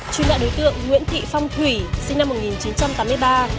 truy nạn đối tượng nguyễn thị phong thủy sinh năm một nghìn chín trăm tám mươi ba